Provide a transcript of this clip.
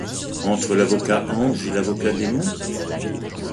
Entre l’avocat ange et l’avocat démon ?